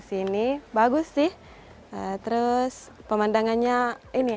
sini bagus sih terus pemandangannya ini